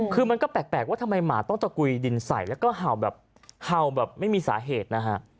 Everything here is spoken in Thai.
คือมันก็แปลกว่าทำไมหมาต้องตะกุยดินใส่แล้วก็เห่าแบบเห่าแบบไม่มีสาเหตุนะฮะ